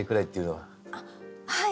はい！